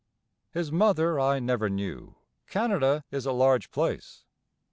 His mother I never knew. Canada is a large place.